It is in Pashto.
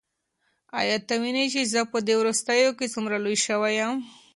ایا ته وینې چې زه په دې وروستیو کې څومره لوی شوی یم؟